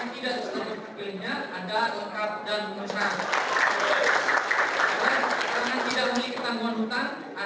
volunteernya ada lengkap dan menc anthem sayang tidak pilem nyetem luigi catanya